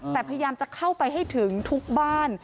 แต่พยายามจะเข้าไปให้ถึงทุกบ้าน